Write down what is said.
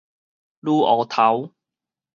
攄芋頭